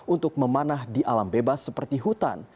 untuk memanah di alam bebas seperti hutan